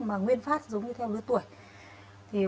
mà nguyên phát giống như theo lứa tuổi